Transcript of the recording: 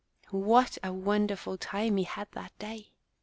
What a wonderful time he had that day